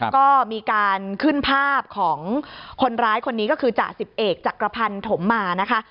ก็มีการขึ้นภาพของคนร้ายคนนี้ก็คือจ่าสิบเอกจักรพันธมมานะคะ